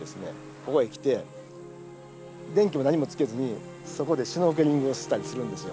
ここへ来て電気も何もつけずにそこでシュノーケリングをしたりするんですよ。